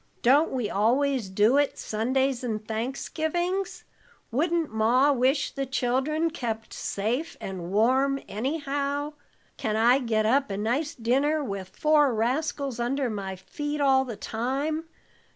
"Don't we always do it Sundays and Thanksgivings? Wouldn't Ma wish the children kept safe and warm anyhow? Can I get up a nice dinner with four rascals under my feet all the time?